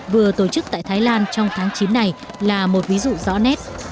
vừa tổ chức tại thái lan trong tháng chín này là một ví dụ rõ nét